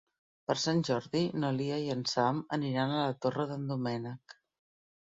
Per Sant Jordi na Lia i en Sam aniran a la Torre d'en Doménec.